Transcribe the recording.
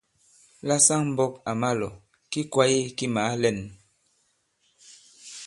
La saŋ-mbɔ̄k à ma-lɔ̀, ki kwāye ki màa lɛ᷇n.